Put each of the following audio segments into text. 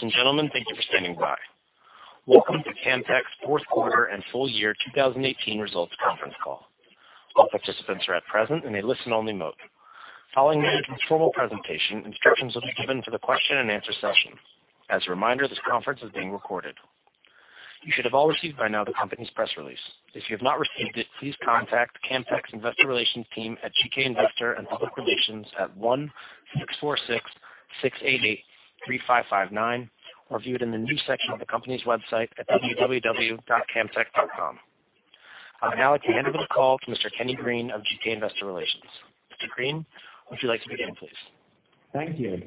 Ladies and gentlemen, thank you for standing by. Welcome to Camtek's fourth quarter and full-year 2018 results conference call. All participants are at present in a listen-only mode. Following management's formal presentation, instructions will be given for the question-and-answer session. As a reminder, this conference is being recorded. You should have all received by now the company's press release. If you have not received it, please contact Camtek's investor relations team at GK Investor and Public Relations at 1-646-688-3559 or view it in the news section of the company's website at www.camtek.com. I would now like to hand over the call to Mr. Kenny Green of GK Investor Relations. Mr. Green, would you like to begin, please? Thank you.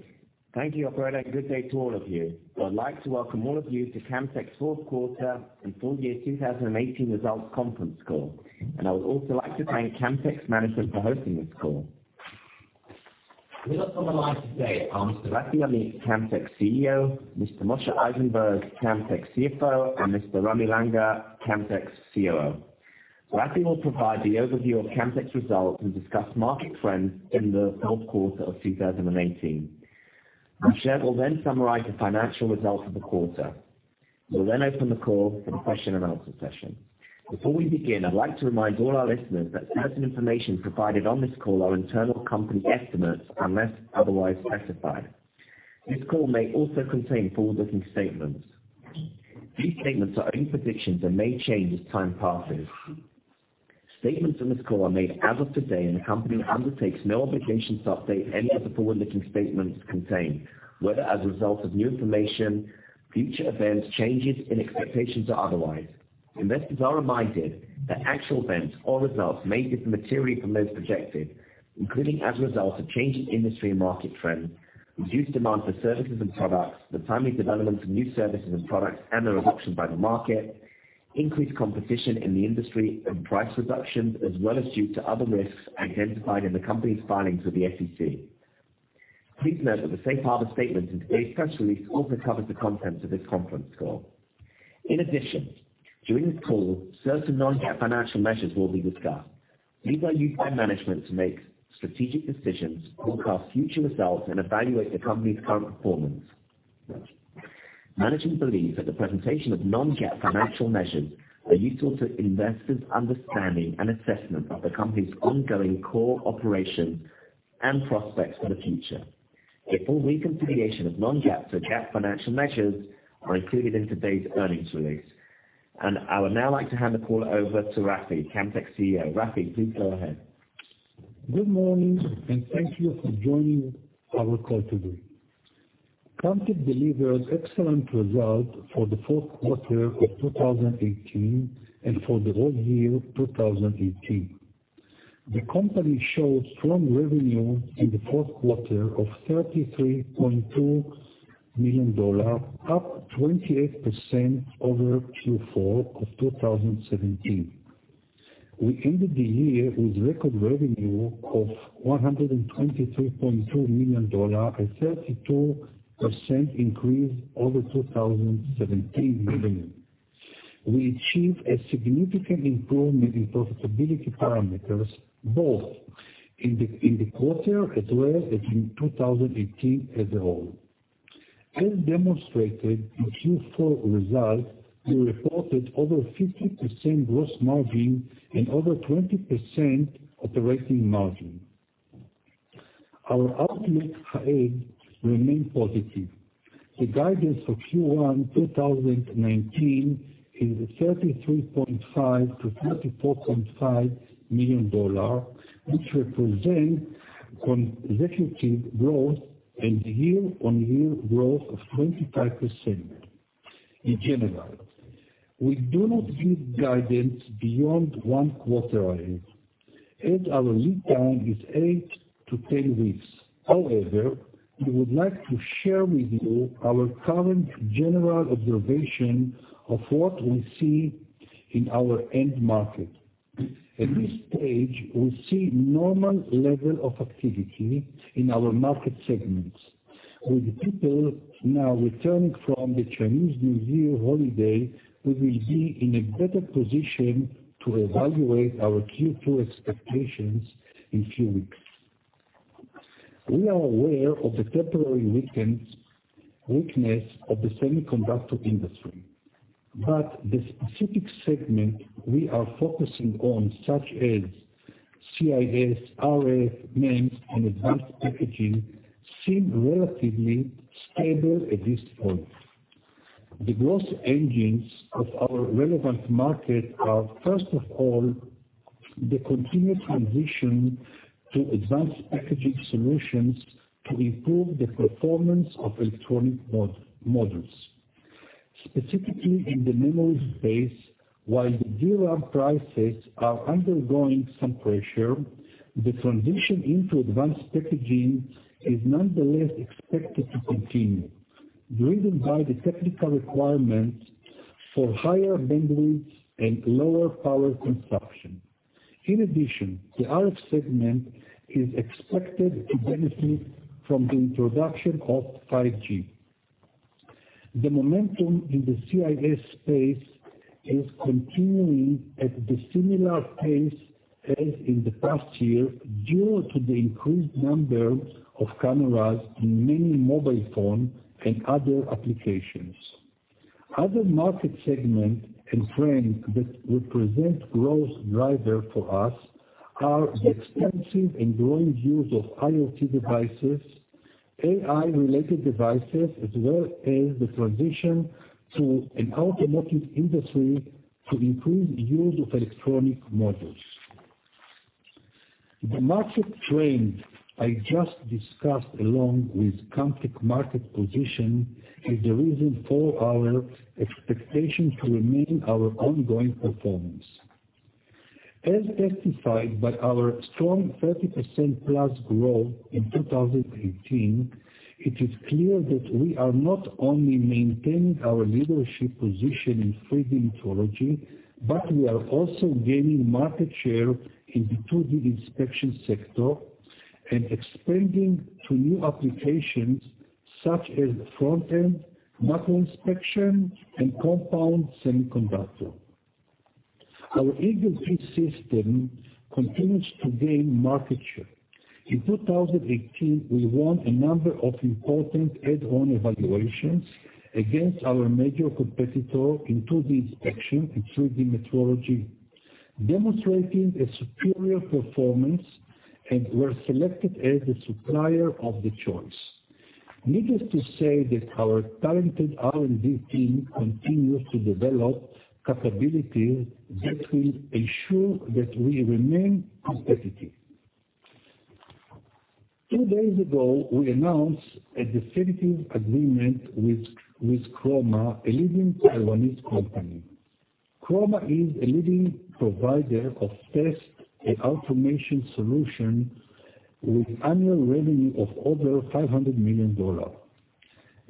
Thank you, operator, and good day to all of you. I'd like to welcome all of you to Camtek's fourth quarter and full-year 2018 results conference call. I would also like to thank Camtek's management for hosting this call. With us on the line today are Mr. Rafi Amit, Camtek's CEO, Mr. Moshe Eisenberg, Camtek's CFO, and Mr. Ramy Langer, Camtek's COO. Rafi will provide the overview of Camtek's results and discuss market trends in the fourth quarter of 2018. Moshe will summarize the financial results of the quarter. We'll open the call for the question-and-answer session. Before we begin, I'd like to remind all our listeners that certain information provided on this call are internal company estimates unless otherwise specified. This call may also contain forward-looking statements. These statements are only predictions and may change as time passes. Statements on this call are made as of today. The company undertakes no obligation to update any of the forward-looking statements contained, whether as a result of new information, future events, changes in expectations, or otherwise. Investors are reminded that actual events or results may differ materially from those projected, including as a result of changing industry and market trends, reduced demand for services and products, the timely development of new services and products, and their adoption by the market, increased competition in the industry and price reductions, as well as due to other risks identified in the company's filings with the SEC. Please note that the safe harbor statement in today's press release also covers the contents of this conference call. In addition, during this call, certain non-GAAP financial measures will be discussed. These are used by management to make strategic decisions, forecast future results, and evaluate the company's current performance. Management believes that the presentation of non-GAAP financial measures are useful to investors' understanding and assessment of the company's ongoing core operations and prospects for the future. A full reconciliation of non-GAAP to GAAP financial measures are included in today's earnings release. I would now like to hand the call over to Rafi, Camtek's CEO. Rafi, please go ahead. Good morning, and thank you for joining our call today. Camtek delivered excellent results for the fourth quarter of 2018 and for the whole year of 2018. The company showed strong revenue in the fourth quarter of $33.2 million, up 28% over Q4 of 2017. We ended the year with record revenue of $123.2 million, a 32% increase over 2017 revenue. We achieved a significant improvement in profitability parameters, both in the quarter as well as in 2018 as a whole. As demonstrated in Q4 results, we reported over 50% gross margin and over 20% operating margin. Our outlook ahead remains positive. The guidance for Q1 2019 is $33.5 million-$34.5 million, which represents consecutive growth and year-over-year growth of 25%. In general, we do not give guidance beyond 1 quarter ahead, as our lead time is 8-10 weeks. We would like to share with you our current general observation of what we see in our end market. At this stage, we see normal level of activity in our market segments. With people now returning from the Chinese New Year holiday, we will be in a better position to evaluate our Q2 expectations in few weeks. We are aware of the temporary weakness of the semiconductor industry, but the specific segment we are focusing on, such as CIS, RF, MEMS, and advanced packaging, seem relatively stable at this point. The growth engines of our relevant market are, first of all, the continued transition to advanced packaging solutions to improve the performance of electronic modules. Specifically, in the memory space, while the DRAM prices are undergoing some pressure, the transition into advanced packaging is nonetheless expected to continue, driven by the technical requirements for higher bandwidth and lower power consumption. In addition, the RF segment is expected to benefit from the introduction of 5G. The momentum in the CIS space is continuing at the similar pace as in the past year, due to the increased number of cameras in many mobile phone and other applications. Other market segment and trend that will present growth driver for us are the extensive and growing use of IoT devices, AI-related devices, as well as the transition to an automotive industry to improve use of electronic modules. The market trend I just discussed along with Camtek market position is the reason for our expectation to remain our ongoing performance. As testified by our strong 30%+ growth in 2018, it is clear that we are not only maintaining our leadership position in 3D metrology, but we are also gaining market share in the 2D inspection sector and expanding to new applications such as front-end, macro inspection, and compound semiconductor. Our Eagle3 system continues to gain market share. In 2018, we won a number of important add-on evaluations against our major competitor in 2D inspection and 3D metrology, demonstrating a superior performance, and were selected as the supplier of the choice. Needless to say that our talented R&D team continues to develop capabilities that will ensure that we remain competitive. Two days ago, we announced a definitive agreement with Chroma, a leading Taiwanese company. Chroma is a leading provider of test and automation solution with annual revenue of over $500 million.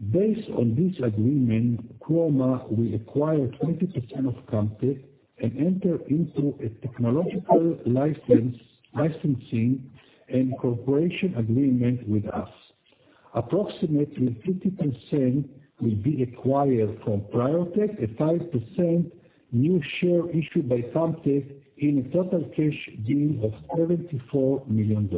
Based on this agreement, Chroma will acquire 20% of Camtek and enter into a technological licensing and cooperation agreement with us. Approximately 50% will be acquired from Priortech, a 5% new share issued by Camtek in a total cash deal of $74 million.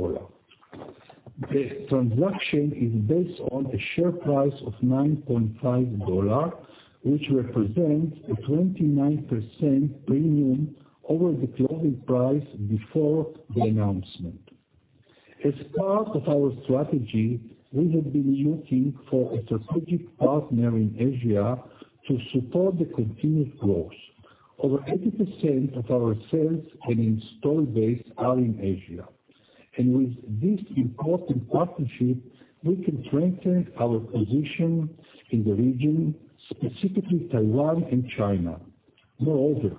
The transaction is based on a share price of $9.5, which represents a 29% premium over the closing price before the announcement. As part of our strategy, we have been looking for a strategic partner in Asia to support the continued growth. Over 80% of our sales and install base are in Asia. With this important partnership, we can strengthen our position in the region, specifically Taiwan and China. Moreover,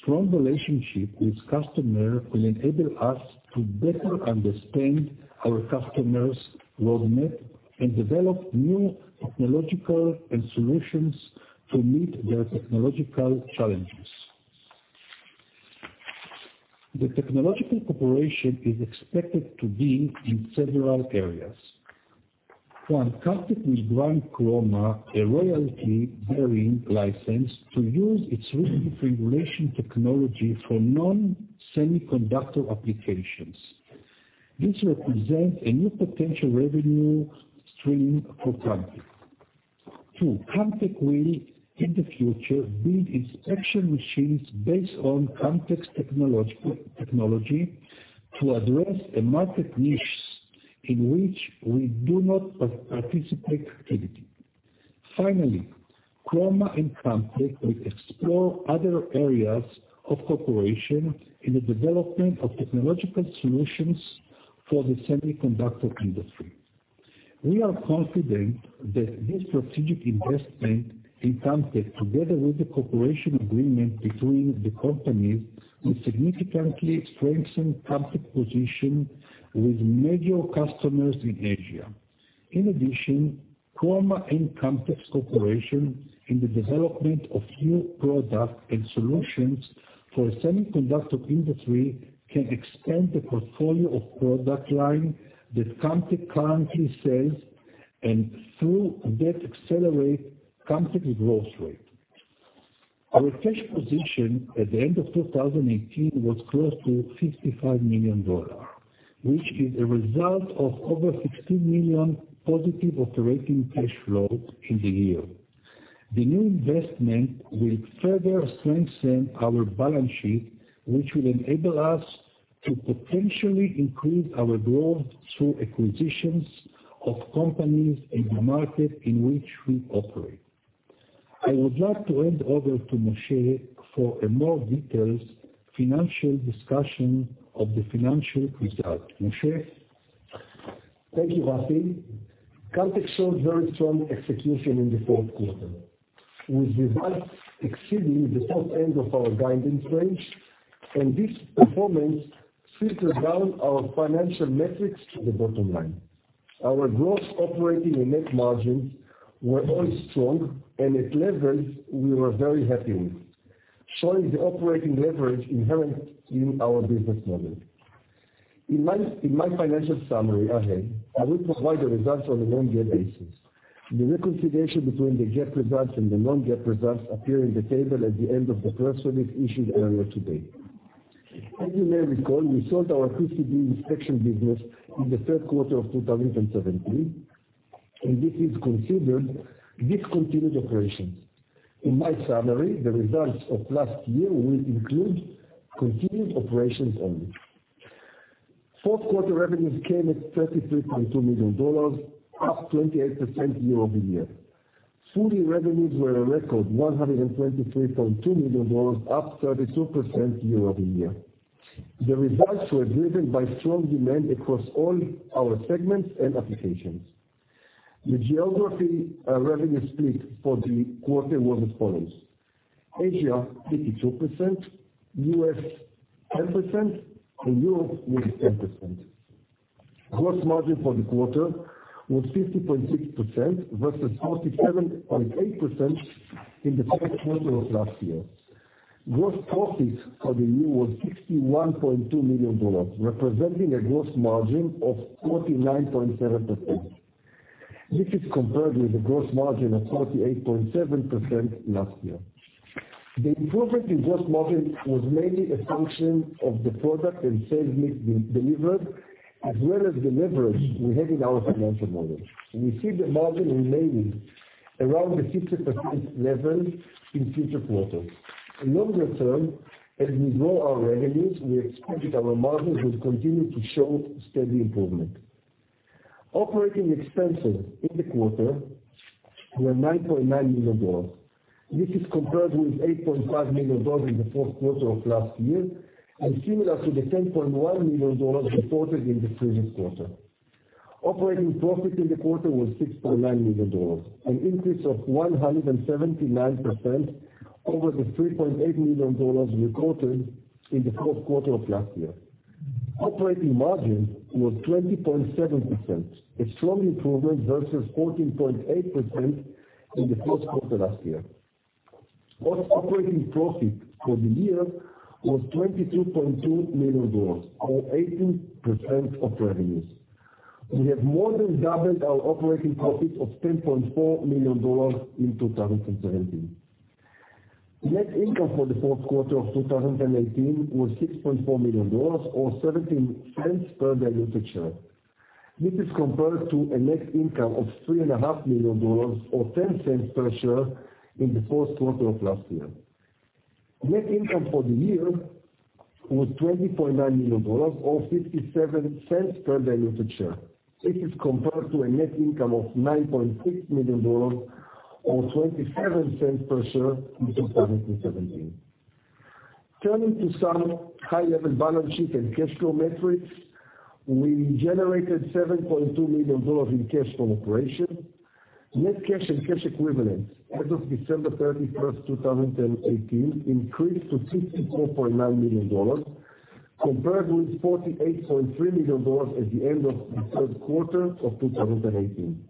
strong relationship with customer will enable us to better understand our customers' roadmap and develop new technological and solutions to meet their technological challenges. The technological cooperation is expected to be in several areas. One, Camtek will grant Chroma a royalty-bearing license to use its resin configuration technology for non-semiconductor applications. This represents a new potential revenue stream for Camtek. Two, Camtek will, in the future, build inspection machines based on Camtek's technology to address the market niches in which we do not participate actively. Finally, Chroma and Camtek will explore other areas of cooperation in the development of technological solutions for the semiconductor industry. We are confident that this strategic investment in Camtek, together with the cooperation agreement between the companies, will significantly strengthen Camtek position with major customers in Asia. In addition, Chroma and Camtek's cooperation in the development of new product and solutions for semiconductor industry can expand the portfolio of product line that Camtek currently sells and through that accelerate Camtek's growth rate. Our cash position at the end of 2018 was close to $55 million, which is a result of over $16 million positive operating cash flow in the year. The new investment will further strengthen our balance sheet, which will enable us to potentially increase our growth through acquisitions of companies in the market in which we operate. I would like to hand over to Moshe for a more detailed financial discussion of the financial result. Moshe? Thank you, Rafi. Camtek showed very strong execution in the fourth quarter, with results exceeding the top end of our guidance range. This performance filtered down our financial metrics to the bottom line. Our gross operating and net margins were all strong and at levels we were very happy with, showing the operating leverage inherent in our business model. In my financial summary ahead, I will provide the results on a non-GAAP basis. The reconciliation between the GAAP results and the non-GAAP results appear in the table at the end of the press release issued earlier today. As you may recall, we sold our PCB inspection business in the third quarter of 2017, and this is considered discontinued operations. In my summary, the results of last year will include continued operations only. Fourth quarter revenues came at $33.2 million, up 28% year-over-year. Full-year revenues were a record $123.2 million, up 32% year-over-year. The results were driven by strong demand across all our segments and applications. The geography revenue split for the quarter was as follows: Asia 52%, U.S. 10%, and Europe with 10%. Gross margin for the quarter was 50.6% versus 47.8% in the fourth quarter of last year. Gross profit for the year was $61.2 million, representing a gross margin of 49.7%. This is compared with a gross margin of 48.7% last year. The improvement in gross margin was mainly a function of the product and sales mix we delivered, as well as the leverage we have in our financial model. We see the margin remaining around the 50% level in future quarters. In longer term, as we grow our revenues, we expect our margins will continue to show steady improvement. Operating expenses in the quarter were $9.9 million. This is compared with $8.5 million in the fourth quarter of last year and similar to the $10.1 million reported in the previous quarter. Operating profit in the quarter was $6.9 million, an increase of 179% over the $3.8 million recorded in the fourth quarter of last year. Operating margin was 20.7%, a strong improvement versus 14.8% in the fourth quarter last year. Operating profit for the year was $22.2 million, or 18% of revenues. We have more than doubled our operating profit of $10.4 million in 2017. Net income for the fourth quarter of 2018 was $6.4 million or $0.17 per diluted share. This is compared to a net income of $3.5 million or $0.10 per share in the fourth quarter of last year. Net income for the year was $20.9 million, or $0.57 per diluted share. This is compared to a net income of $9.6 million or $0.27 per share in 2017. Turning to some high-level balance sheet and cash flow metrics, we generated $7.2 million in cash from operations. Net cash and cash equivalents as of December 31, 2018, increased to $54.9 million, compared with $48.3 million at the end of the third quarter of 2018.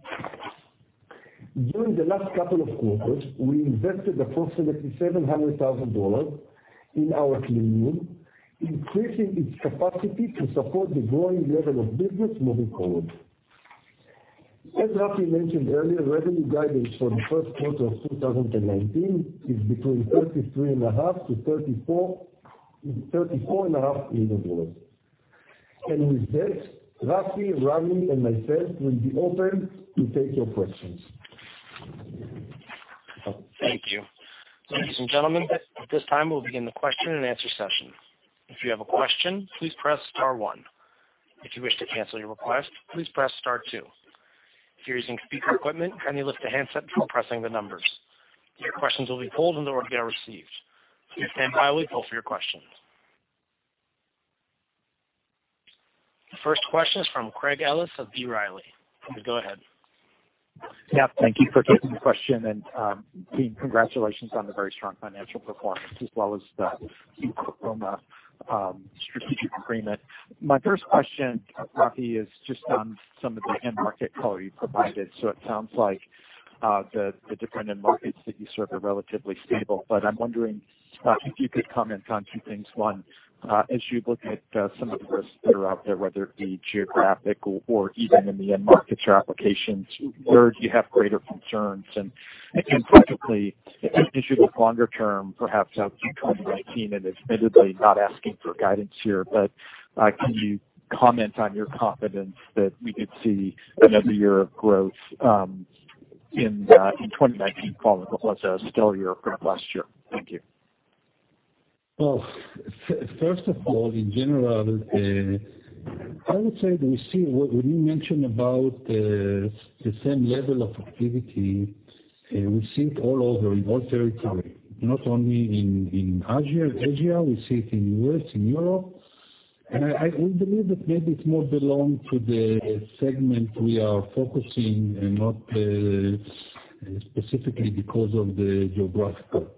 During the last couple of quarters, we invested approximately $700,000 in our cleanroom, increasing its capacity to support the growing level of business moving forward. As Rafi mentioned earlier, revenue guidance for the first quarter of 2019 is between $33.5 million-$34.5 million. With that, Rafi, Ramy, and myself will be open to take your questions. Thank you. Ladies and gentlemen, at this time, we'll begin the question-and-answer session. If you have a question, please press star one. If you wish to cancel your request, please press star two. If you're using speaker equipment, kindly lift the handset before pressing the numbers. Your questions will be pulled in the order they are received. Please stand by while we pull for your questions. First question is from Craig Ellis of B. Riley. You can go ahead. Thank you for taking the question, and, Dean, congratulations on the very strong financial performance as well as the key from a strategic agreement. My first question, Rafi, is just on some of the end market color you provided. It sounds like the different end markets that you serve are relatively stable. I'm wondering if you could comment on two things. One, as you look at some of the risks that are out there, whether it be geographic or even in the end markets or applications, where do you have greater concerns? Practically, an issue with longer term, perhaps how 2019, and admittedly not asking for guidance here, but can you comment on your confidence that we could see another year of growth in 2019 following what was a stellar year from last year? Thank you. First of all, in general, I would say that we see what you mentioned about the same level of activity. We see it all over, in all territories, not only in Asia. We see it in U.S., in Europe. We believe that maybe it's more belong to the segment we are focusing and not specifically because of the geographical.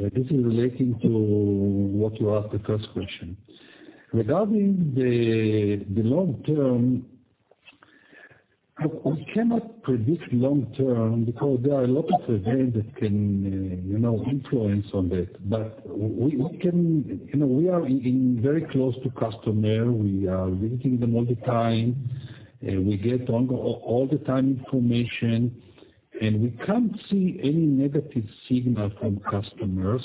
This is relating to what you asked the first question. Regarding the long term, we cannot predict long term because there are a lot of events that can influence on that. We are very close to customer. We are visiting them all the time, we get all the time information, we can't see any negative signal from customers.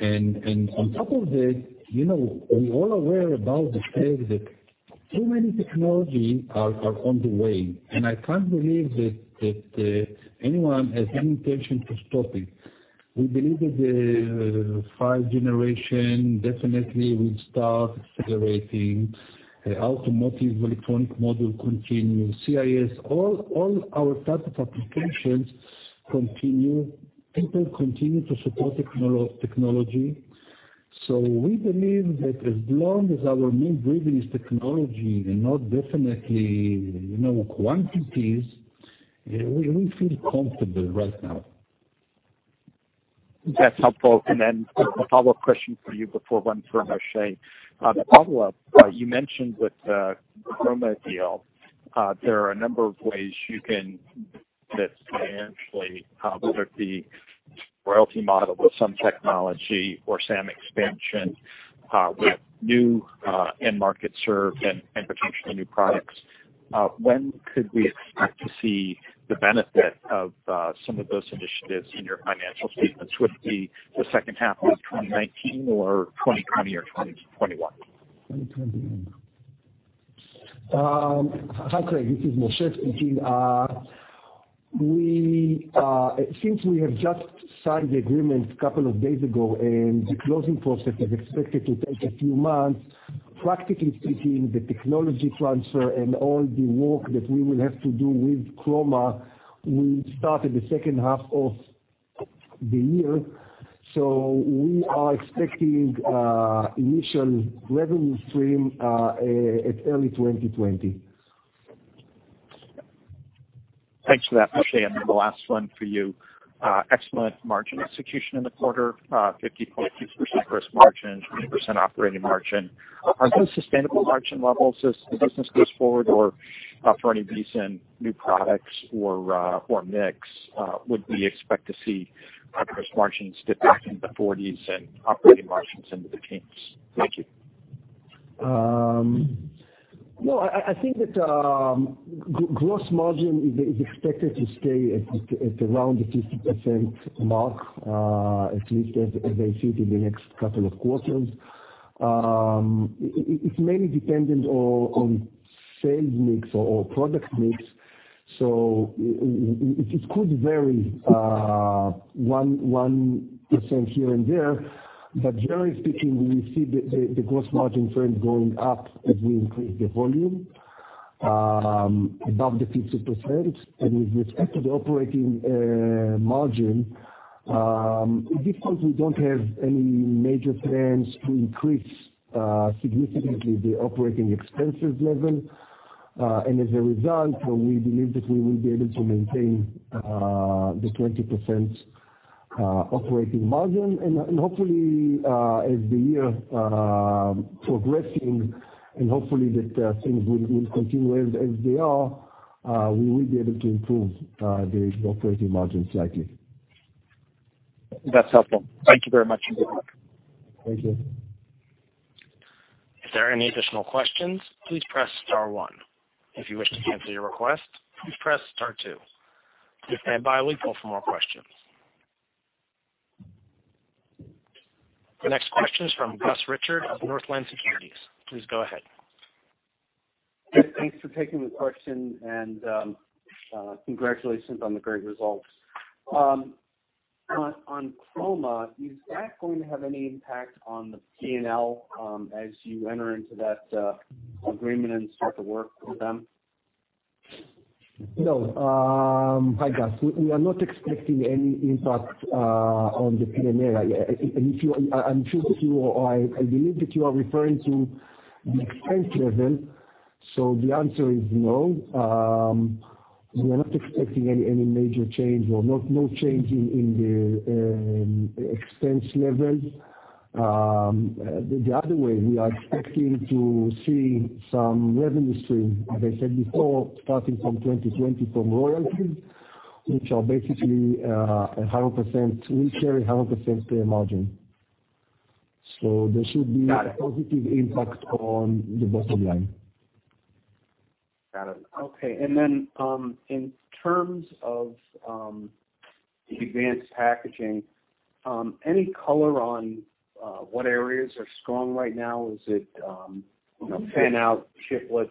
On top of that, we're all aware about the fact that too many technology are on the way, I can't believe that anyone has any intention to stop it. We believe that the 5G generation definitely will start accelerating, automotive electronic module continue, CIS, all our types of applications continue. People continue to support technology. We believe that as long as our main driving is technology and not definitely quantities, we feel comfortable right now. That's helpful. Then a follow-up question for you before I run it through Moshe. The follow-up, you mentioned with the Chroma deal, there are a number of ways you can monetarily, whether it be royalty model with some technology or SAM expansion with new end market served and potentially new products. When could we expect to see the benefit of some of those initiatives in your financial statements? Would it be the second half of 2019 or 2020 or 2021? 2021. Hi Craig, this is Moshe speaking. Since we have just signed the agreement a couple of days ago, and the closing process is expected to take a few months, practically speaking, the technology transfer and all the work that we will have to do with Chroma will start in the second half of the year. We are expecting initial revenue stream at early 2020. Thanks for that, Moshe. Then the last one for you. Excellent margin execution in the quarter, 50.2% gross margin, 20% operating margin. Are those sustainable margin levels as the business goes forward or offering decent new products or mix? Would we expect to see gross margins dip back into the 40s and operating margins into the teens? Thank you. No, I think that gross margin is expected to stay at around the 50% mark, at least as I see it in the next couple of quarters. It's mainly dependent on sales mix or product mix, it could vary 1% here and there. Generally speaking, we see the gross margin trend going up as we increase the volume above the 50%. With respect to the operating margin, it's because we don't have any major plans to increase significantly the operating expenses level. As a result, we believe that we will be able to maintain the 20% operating margin, and hopefully as the year progressing, that things will continue as they are, we will be able to improve the operating margin slightly. That's helpful. Thank you very much. Thank you. If there are any additional questions, please press star one. If you wish to cancel your request, please press star two. We stand by while we call for more questions. The next question is from Gus Richard of Northland Securities. Please go ahead. Yes, thanks for taking the question, and congratulations on the great results. On Chroma, is that going to have any impact on the P&L as you enter into that agreement and start to work with them? No. Hi, Gus. We are not expecting any impact on the P&L. I believe that you are referring to the expense level. The answer is no. We are not expecting any major change or no change in the expense level. The other way, we are expecting to see some revenue stream, as I said before, starting from 2020 from royalties, which are basically 100% we carry 100% gross margin. Got it So this should be a positive impact on the bottom line. Got it. Okay. Then, in terms of the advanced packaging, any color on what areas are strong right now? Is it fan-out chiplets,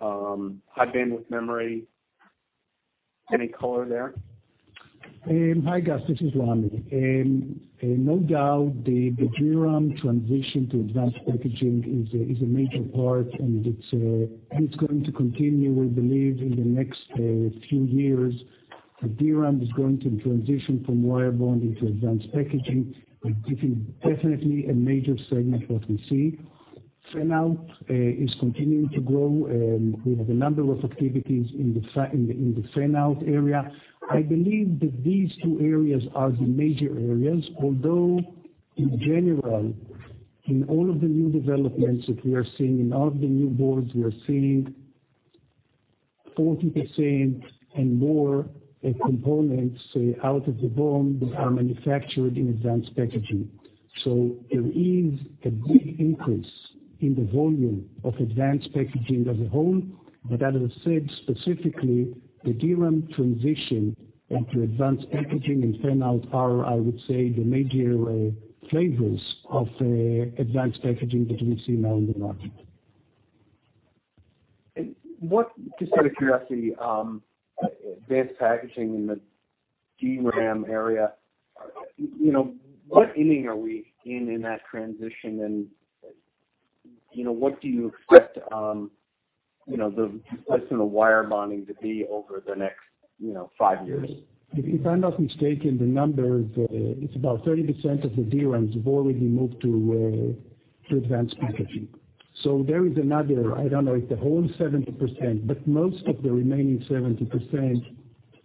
High Bandwidth Memory? Any color there? Hi, Gus, this is Ramy. No doubt the DRAM transition to advanced packaging is a major part, it's going to continue, we believe, in the next few years. The DRAM is going to transition from wire bond into advanced packaging. I think definitely a major segment what we see. Fan-out is continuing to grow. We have a number of activities in the fan-out area. I believe that these two areas are the major areas, although in general. In all of the new developments that we are seeing, in all of the new boards we are seeing, 40% and more of components out of the BOM are manufactured in advanced packaging. There is a big increase in the volume of advanced packaging as a whole. That said, specifically, the DRAM transition into advanced packaging and fan-out are, I would say, the major flavors of advanced packaging that we see now in the market. Just out of curiosity, advanced packaging in the DRAM area, what inning are we in that transition? And what do you expect the replacement of wire bonding to be over the next five years? If I'm not mistaken, the numbers, it's about 30% of the DRAMs have already moved to advanced packaging. There is another, I don't know if the whole 70%, but most of the remaining 70%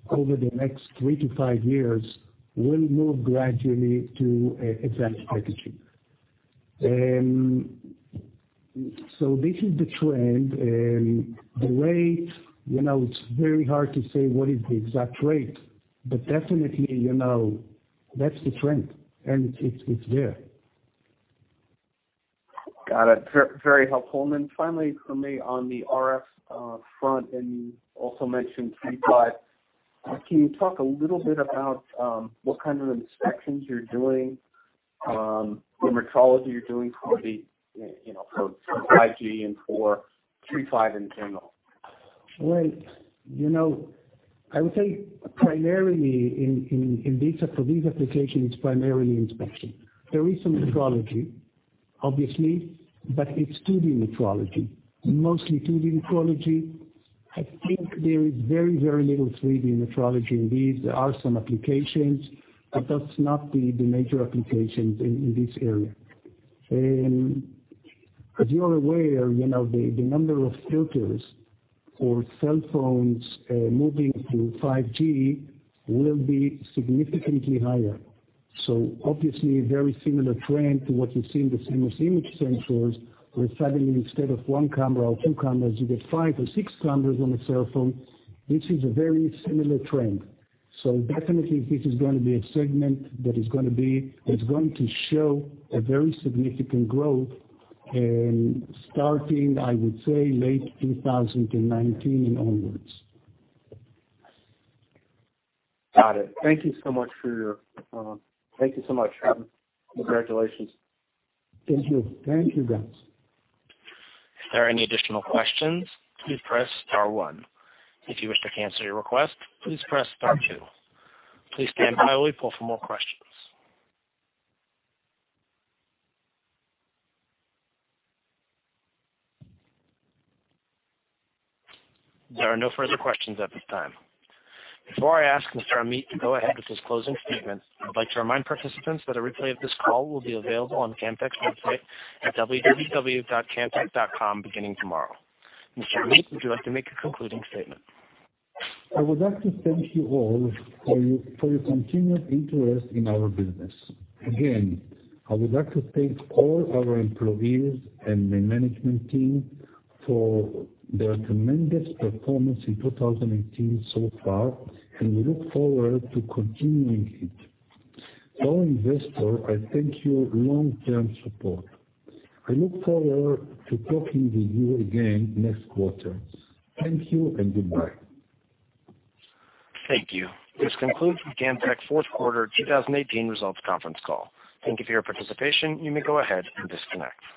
over the next three to five years will move gradually to advanced packaging. This is the trend. The rate, it's very hard to say what is the exact rate, definitely, that's the trend, and it's there. Got it. Very helpful. Then finally from me on the RF front, you also mentioned III-V, can you talk a little bit about what kind of inspections you're doing, metrology you're doing for the, for 5G and for III-V in general? Right. I would say primarily for these applications, it's primarily inspection. There is some metrology, obviously, but it's 2D metrology, mostly 2D metrology. I think there is very, very little 3D metrology in these. There are some applications, but that's not the major applications in this area. As you are aware, the number of filters for cell phones moving to 5G will be significantly higher. Obviously, very similar trend to what you see in the CMOS image sensors, where suddenly instead of one camera or two cameras, you get five or six cameras on a cell phone, which is a very similar trend. Definitely this is going to be a segment that is going to show a very significant growth, starting, I would say late 2019 onwards. Got it. Thank you so much. Congratulations. Thank you. Thank you, guys. If there are any additional questions, please press star one. If you wish to cancel your request, please press star two. Please stand by while we poll for more questions. There are no further questions at this time. Before I ask Mr. Amit to go ahead with his closing statements, I'd like to remind participants that a replay of this call will be available on Camtek's website at www.camtek.com beginning tomorrow. Mr. Amit, would you like to make a concluding statement? I would like to thank you all for your continued interest in our business. Again, I would like to thank all our employees and the management team for their tremendous performance in 2018 so far, and we look forward to continuing it. To our investors, I thank you long-term support. I look forward to talking with you again next quarter. Thank you, and goodbye. Thank you. This concludes the Camtek fourth quarter 2018 results conference call. Thank you for your participation. You may go ahead and disconnect.